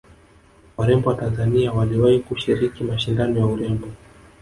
warembo wa tanzania waliwahi kushiriki mashindano ya urembo